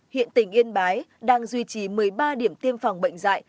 hiện tỉnh yên bái đang duy trì một mươi ba điểm tiêm phòng bệnh dạy